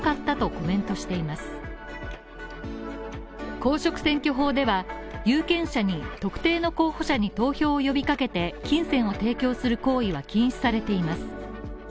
公職選挙法では、有権者に特定の候補者に投票を呼び掛けて金銭を提供する行為は禁止されています。